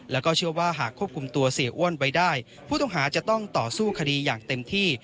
แล้วก็เชื่อว่าหากควบคุมตัวเสียอ้วนไว้ได้ผู้ต้องหาจะต้องต่อสู้คดีอย่างเต็มที่